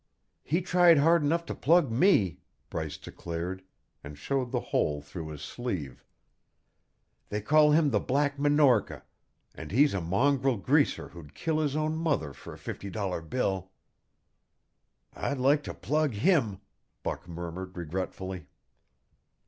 "He tried hard enough to plug me," Bryce declared, and showed the hole through his sleeve. "They call him the Black Minorca, and he's a mongrel greaser who'd kill his own mother for a fifty dollar bill." "I'd like to plug him," Buck murmured regretfully.